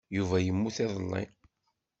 Yuba yemmut iḍelli.